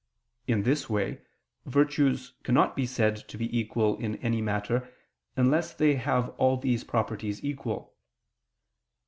In this way virtues cannot be said to be equal in any matter unless they have all these properties equal.